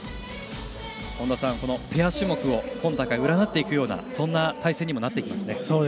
本田さん、ペア種目を今大会、占っていくようなそんな対戦にもなってきますね。